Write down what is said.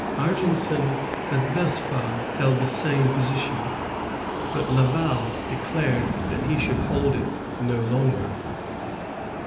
Argenson had thus far held the same position; but Laval declared that he should hold it no longer.